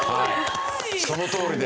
そのとおりです。